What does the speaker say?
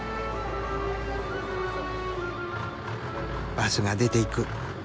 バスが出ていく。